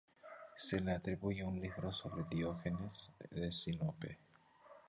Se le atribuye un libro sobre Diógenes de Sinope.